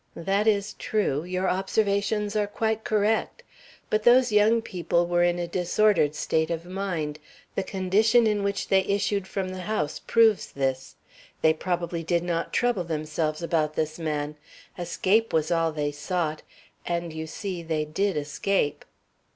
"That is true; your observations are quite correct. But those young people were in a disordered state of mind. The condition in which they issued from the house proves this. They probably did not trouble themselves about this man. Escape was all they sought. And, you see, they did escape."